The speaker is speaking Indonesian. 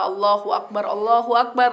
allahu akbar allahu akbar